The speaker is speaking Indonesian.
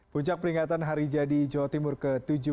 puncak peringatan hari jadi jawa timur ke tujuh puluh dua